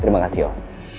terima kasih om